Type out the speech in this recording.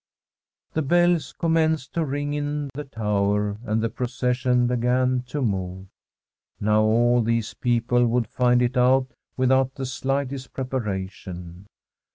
The bells commenced to ring in the tower, and the procession began to move. Now all these people would find it out without the slightest preparation.